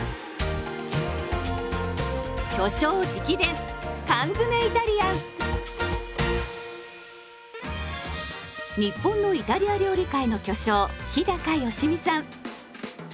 すごい！日本のイタリア料理界の巨匠日良実さん。